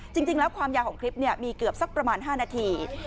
จริงแล้วความยาวของคลิปมีเกือบสักประมาณ๕นาที